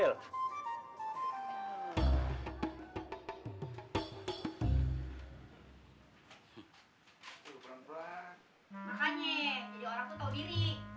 udah naik ngapain